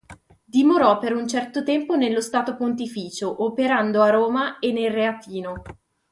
Dimorò per un certo tempo nello Stato Pontificio, operando a Roma e nel Reatino.